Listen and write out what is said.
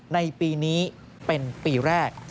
ในปีนี้เป็นปีแรก